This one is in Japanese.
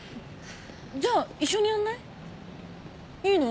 じゃあ一緒にやんない？いいの？